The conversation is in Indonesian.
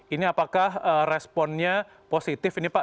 ini apakah responnya positif ini pak